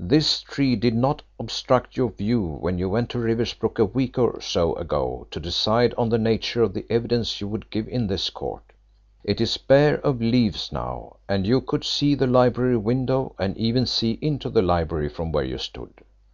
This tree did not obstruct your view when you went to Riversbrook a week or so ago to decide on the nature of the evidence you would give in this court. It is bare of leaves now, and you could see the library window and even see into the library from where you stood.